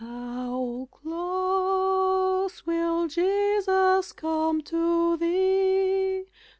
How close will Jesus come to thee?